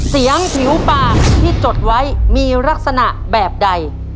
ผิวปากที่จดไว้มีลักษณะแบบใด